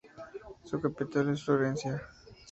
Su capital es Florencia.